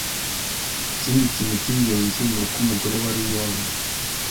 Ikindi kintu cy’ingenzi ni uko umugore wa Ruyondo